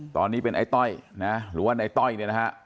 ตอนนี้เป็นไอ้ต้อยนะหรือว่าในต้อยเนี่ยนะฮะ